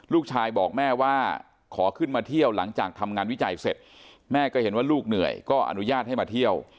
ลูกชายบอกแม่ว่าขอขึ้นมาเที่ยวหลังจากทำงานวิจัยเสร็จแม่ก็เห็นว่าลูกเหนื่อยก็อนุญาตให้มาเที่ยว